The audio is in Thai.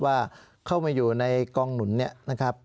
ว่าเข้ามาอยู่ในกองหนุนเนี่ยนะครับ